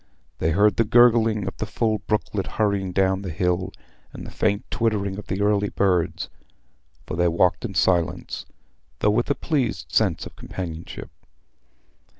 They heard the gurgling of the full brooklet hurrying down the hill, and the faint twittering of the early birds. For they walked in silence, though with a pleased sense of companionship.